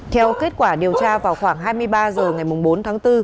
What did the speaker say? theo kết quả điều tra vào khoảng hai mươi ba h ngày bốn tháng bốn